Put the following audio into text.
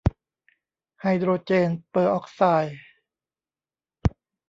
ไฮโดรเจนเปอร์ออกไซด์